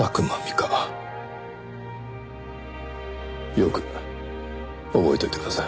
よく覚えておいてください。